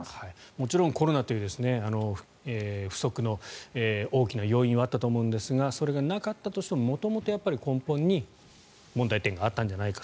もちろんコロナという不測の大きな要因はあったと思うんですがそれがなかったとしても元々、根本に問題点があったんじゃないか。